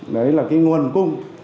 đấy là cái nguồn cung